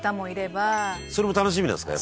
「それも楽しみなんですか？」